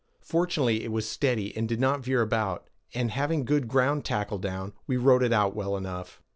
Fortunately it was steady and did not veer about, and having good ground tackle down, we rode it out well enough.